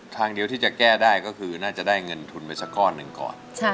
ทางเดียวที่จะแก้ได้ก็คือน่าจะได้เงินทุนไปสักก้อนหนึ่งก่อน